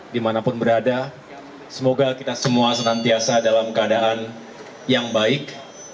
dimanapun berada semoga kita semua senantiasa dalam keadaan yang baik